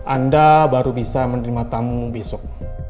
anda baru bisa menerima tamu besok